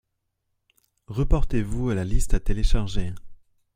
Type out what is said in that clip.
cf. la liste à télécharger.